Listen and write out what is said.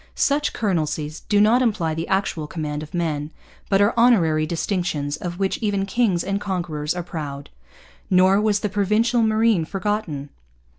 Such 'colonelcies' do not imply the actual command of men, but are honorary distinctions of which even kings and conquerors are proud. Nor was the Provincial Marine forgotten.